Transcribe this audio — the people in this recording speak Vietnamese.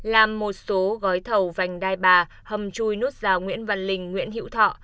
làm một số gói thầu vành đai bà hầm chui nút rào nguyễn văn linh nguyễn hiễu thọ